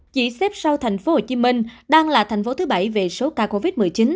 chỉ xếp sau thành phố hồ chí minh đang là thành phố thứ bảy về số ca covid một mươi chín